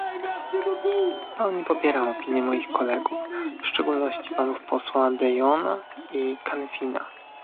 W pełni popieram opinie moich kolegów, w szczególności panów posłów de Jonga i Canfina